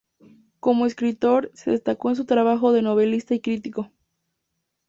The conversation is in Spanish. Como escritor, se destacó en su trabajo de novelista y crítico.